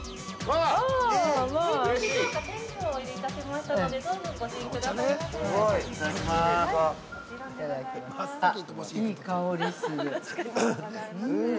◆あっ、いい香りする。